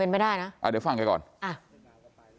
ไม่ได้นะอ่าเดี๋ยวฟังแกก่อนอ่ะ